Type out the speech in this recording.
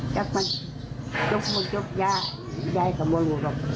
จับมาจบมาจบยายก็ไม่รู้หรอก